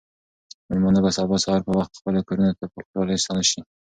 مېلمانه به سبا سهار په وخت خپلو کورونو ته په خوشحالۍ ستانه شي.